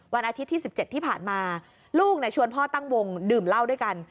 วันอาทิตย์ที่๑๗ที่ผ่านมาลูกชวนพ่อตั้งวงดื่มเหล้าด้วยกัน